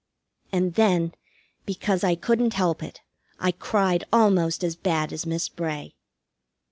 And then, because I couldn't help it, I cried almost as bad as Miss Bray.